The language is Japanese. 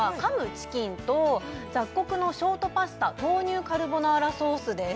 チキンと雑穀のショートパスタ豆乳カルボナーラソースです